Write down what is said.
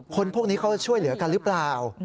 พวกนี้เขาจะช่วยเหลือกันหรือเปล่า